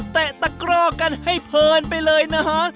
ตะตะกร่อกันให้เพลินไปเลยนะฮะ